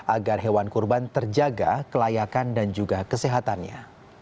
agar hewan kurban terjaga kelayakan dan juga kesehatannya